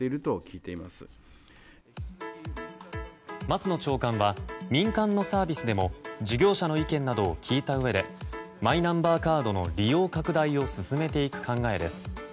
松野長官は民間のサービスでも事業者の意見などを聞いたうえでマイナンバーカードの利用拡大を進めていく考えです。